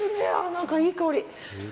何かいい香り。